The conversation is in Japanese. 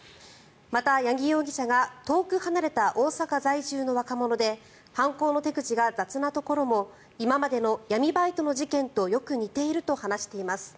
また、八木容疑者が遠く離れた大阪在住の若者で犯行の手口が雑なところも今までの闇バイトの事件とよく似ていると話しています。